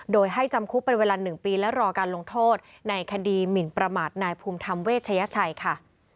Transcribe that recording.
โดยให้จำคุกเป็นเวลา๑ปีและรอการลงโทษในคดีหมินประมาทนายภูมิธรรมเวชยชัยค่ะ